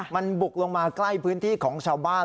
มันบุกลงมาใกล้พื้นที่ของชาวบ้าน